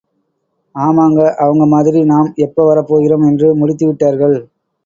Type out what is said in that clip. ஆமாங்க அவங்க மாதிரி நாம் எப்ப வரப்போகிறோம் என்று முடித்து விட்டார்கள்.